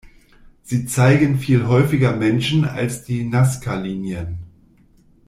Sie zeigen viel häufiger Menschen als die Nazca-Linien.